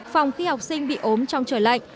phòng khi học sinh bị ốm trong trời lạnh